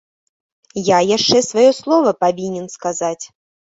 Я яшчэ сваё слова павінен сказаць.